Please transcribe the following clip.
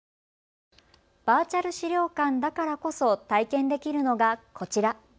バーチャル資料館だからこそ体験できるのがこちら。